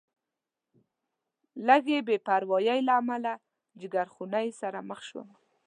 لږې بې پروایۍ له امله جیګرخونۍ سره مخ شوم.